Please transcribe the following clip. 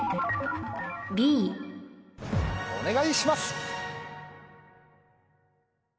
お願いします。